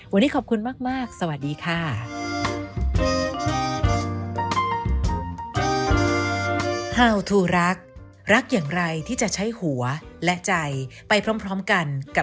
วันนี้ขอบคุณมากสวัสดีค่ะ